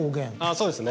そうですね。